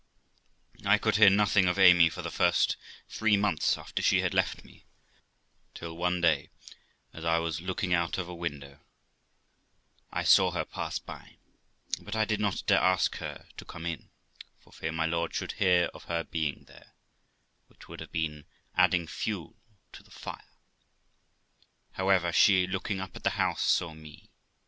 I could hear nothing of Amy for the first three months after she had left me, till one day, as I was looking out of a dining room window, I saw her pass by, but I did not dare ask her to come in, for fear my lord should hear of her being there, which would have been adding fuel to the fire; however, she, looking up at the house, saw me.